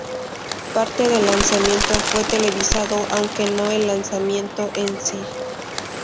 Parte del lanzamiento fue televisado, aunque no el lanzamiento en sí.